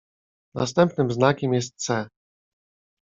"Następnym znakiem jest C."